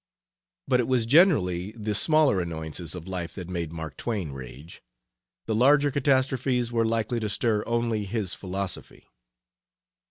But it was generally the smaller annoyances of life that made Mark Twain rage; the larger catastrophes were likely to stir only his philosophy.